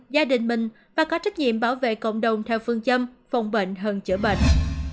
gia đình mình và có trách nhiệm bảo vệ cộng đồng theo phương châm phòng bệnh hơn chữa bệnh